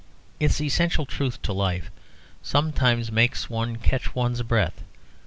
Its essential truth to life sometimes makes one catch one's breath.